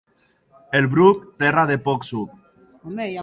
El Bruc, terra de poc suc.